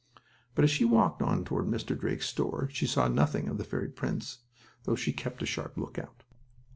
But, as she walked on toward Mr. Drake's store she saw nothing of the fairy prince, though she kept a sharp lookout.